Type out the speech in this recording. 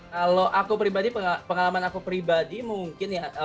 kalau aku pribadi pengalaman aku pribadi mungkin ya